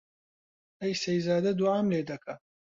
ئەی سەیزادە دووعام لێ دەکا